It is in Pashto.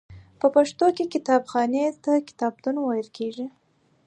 په پښتو کې کتابخانې ته کتابتون ویل کیږی.